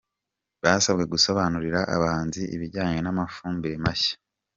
Basabwe gusobanurira abahinzi ibijyanye n’amafumbire mashya.